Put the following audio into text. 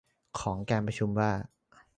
ของการประชุมว่า